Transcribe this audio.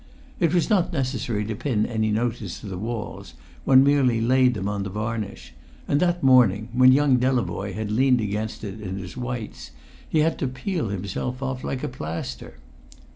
It was not necessary to pin any notice to the walls; one merely laid them on the varnish; and that morning, when young Delavoye had leant against it in his whites, he had to peel himself off like a plaster.